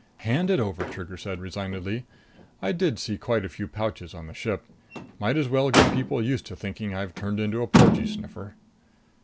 "Hand it over," Trigger said resignedly. "I did see quite a few pouches on the ship. Might as well get people used to thinking I've turned into a porgee sniffer."